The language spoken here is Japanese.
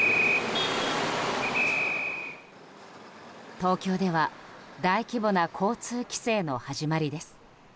東京では大規模な交通規制の始まりです。